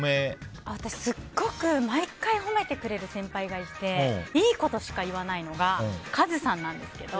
私、すごく毎回褒めてくれる先輩がいていいことしか言わないのがカズさんなんですけど。